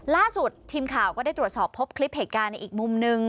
ล่าสุดทีมข่าวก็ได้ตรวจสอบพบคลิปเหตุการณ์ในอีกมุมนึง